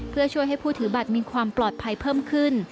เพื่อช่วยให้ผู้ถือบัตรมีความปลอดภัยเพิ่มขึ้น